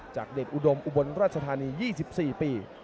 เดชอุดมอุบลราชธานี๒๔ปี